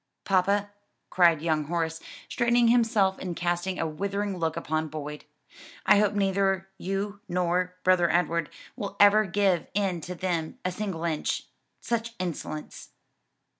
"Papa," cried young Horace, straightening himself and casting a withering look upon Boyd, "I hope neither you nor Brother Edward will ever give in to them a single inch. Such insolence!"